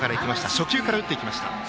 初球から打っていきました。